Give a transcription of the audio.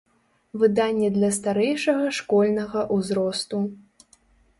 Выданне для старэйшага школьнага ўзросту.